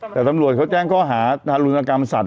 แต่ตำรวจเขาแจ้งข้อหาทารุณกรรมสัตว